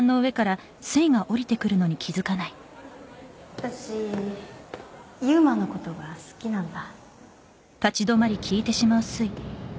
私悠馬のことが好きなんだ